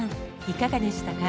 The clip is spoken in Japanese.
いかがでしたか？